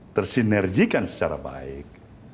tersinerjikan secara baik